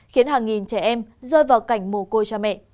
khiến hàng nghìn trẻ em rơi vào cảnh mù côi cho mẹ